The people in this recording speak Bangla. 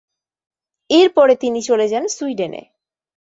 এরপরে তিনি চলে যান সুইডেন- এ।